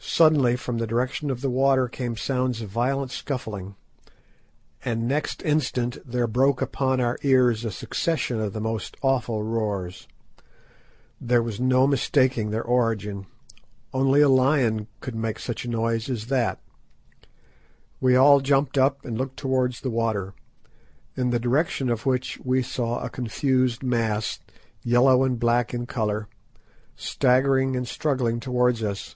Suddenly, from the direction of the water came sounds of violent scuffling, and next instant there broke upon our ears a succession of the most awful roars. There was no mistaking their origin; only a lion could make such a noise as that. We all jumped up and looked towards the water, in the direction of which we saw a confused mass, yellow and black in colour, staggering and struggling towards us.